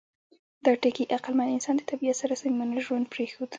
دا ټکي عقلمن انسان د طبیعت سره صمیمانه ژوند پرېښود.